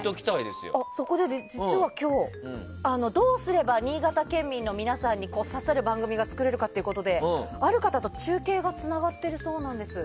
そこで、実は今日どうすれば新潟県民の皆さんに刺さる番組が作れるかということで、ある方と中継がつながっているんです。